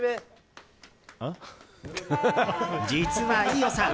実は飯尾さん